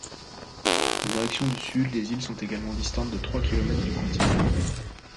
En direction du sud, les îles sont également distantes de trois kilomètres du continent.